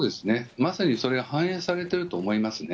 まさにそれが反映されてると思いますね。